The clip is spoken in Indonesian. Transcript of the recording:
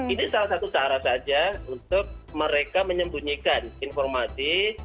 ini salah satu cara saja untuk mereka menyembunyikan informasi